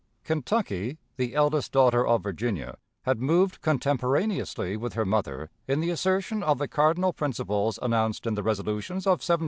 Kentucky, the eldest daughter of Virginia, had moved contemporaneously with her mother in the assertion of the cardinal principles announced in the resolutions of 1798 '99.